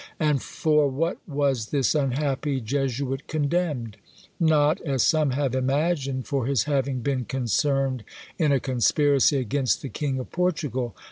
And for what was this unhappy Jesuit condemned? Not, as some have imagined, for his having been concerned in a conspiracy against the king of Portugal.